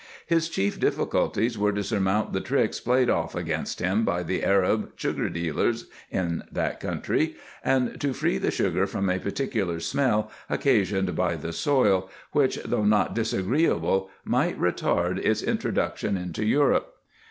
His chief difficulties were to surmount the tricks played off against him by the Arab sugar dealers in that country, and to free the sugar from a particular smell occasioned by the soil, which, though not disagreeable, might retard its introduction into Europe.